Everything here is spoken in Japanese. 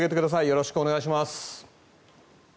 よろしくお願いします。